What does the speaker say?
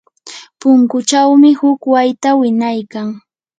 punkuchawmi huk wayta winaykan.